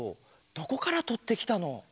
どこからとってきたの？